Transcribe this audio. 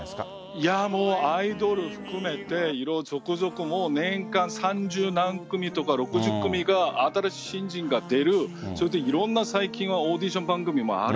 いやもう、アイドル含めて、いろいろ続々、年間三十何組とか、６０組が、新しい新人が出る、それから最近はいろんなオーディション番組もある。